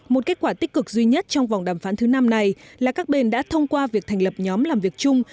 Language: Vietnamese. một kết quả tích cực duy nhất trong vòng đàm phán thứ năm này là các bên đã thông qua việc thành lập nhóm làm việc chung